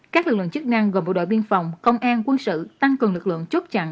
các lực lượng chức năng gồm bộ đội biên phòng công an quân sự tăng cường lực lượng chốt chặn